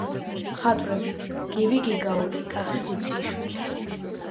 მხატვრები: გივი გიგაური, კახი ხუციშვილი.